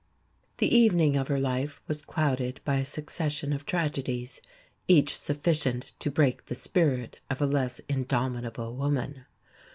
The evening of her life was clouded by a succession of tragedies, each sufficient to break the spirit of a less indomitable woman.